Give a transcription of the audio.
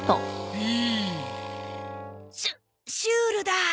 シュシュールだ。